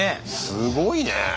すごいね。